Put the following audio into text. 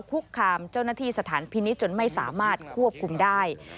คุกคามเจ้าหน้าที่สถานพินิษฐ์จนไม่สามารถควบคุมได้